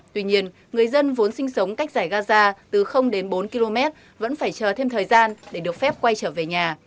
tuy nhiên người dân vốn sinh sống cách giải gaza từ đến bốn km vẫn phải chờ thêm thời gian để được phép quay trở về nhà